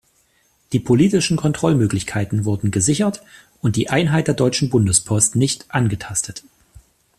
Die politischen Kontrollmöglichkeiten wurden gesichert und die Einheit der Deutschen Bundespost nicht angetastet.